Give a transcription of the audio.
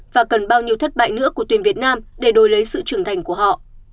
và cần bao nhiêu thất bại nữa của tuyển việt nam để đổi lấy sự trưởng thành của họ